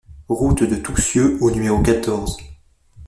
Route de Toussieu au numéro quatorze